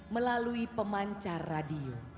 melalui pemancar radio